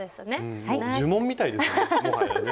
呪文みたいですねもはやね。